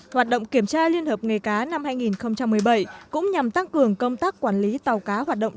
hoạt động kiểm tra liên hợp nghề cá năm hai nghìn một mươi bảy cũng nhằm tăng cường công tác quản lý tàu cá hoạt động